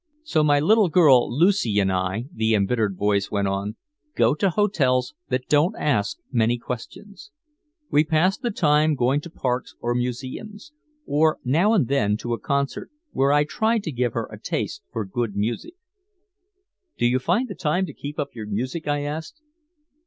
"So my little girl Lucy and I," the embittered voice went on, "go to hotels that don't ask many questions. We pass the time going to parks or museums or now and then to a concert where I try to give her a taste for good music." "Do you find time to keep up your music?" I asked.